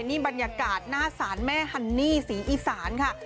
นี่บรรยากาศหน้าศาลแม่ฮันนี่ศรีอีสานค่ะ